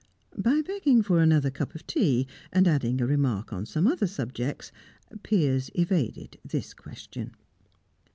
By begging for another cup of tea, and adding a remark on some other subject, Piers evaded this question.